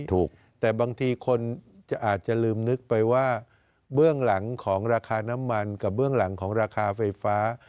ถูกแต่บางทีคนอาจจะลืมนึกไปว่าเบื้องหลังของราคาน้ำมันกับเบื้องหลังของราคาไฟฟ้า